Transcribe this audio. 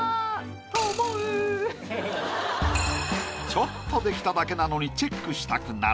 ちょっとできただけなのにチェックしたくなる。